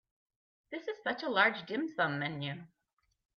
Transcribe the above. This is such a large dim sum menu.